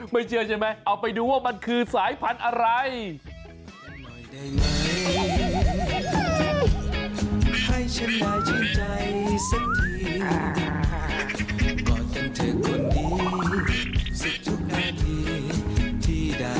ไม่เชื่อใช่ไหมเอาไปดูว่ามันคือสายพันธุ์อะไร